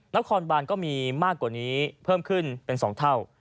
นครบานก็มีมากกว่านี้เพิ่มขึ้นเป็น๒เท่า